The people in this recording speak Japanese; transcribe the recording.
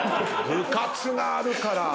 「部活があるから」